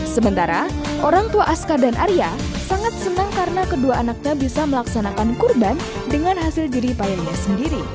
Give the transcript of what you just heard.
sementara orang tua aska dan arya sangat senang karena kedua anaknya bisa melaksanakan kurban dengan hasil jeripayanya sendiri